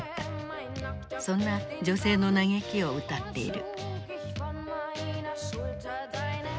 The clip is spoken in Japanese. そんな女性の嘆きを歌っている。